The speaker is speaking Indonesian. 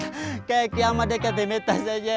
seperti kiamat dekat di meta saja